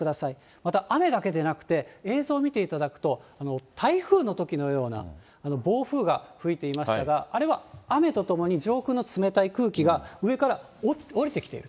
また、雨だけでなくて、映像を見ていただくと、台風のときのような、暴風が吹いていましたが、あれは雨とともに上空の冷たい空気が、上から降りてきている。